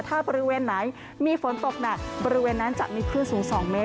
ถ้าบริเวณไหนมีฝนตกหนักบริเวณนั้นจะมีคลื่นสูง๒เมตร